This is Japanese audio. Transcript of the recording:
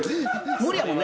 無理やもんね。